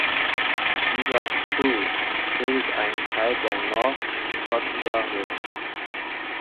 Dieser Trough bildet einen Teil der North Scotia Ridge.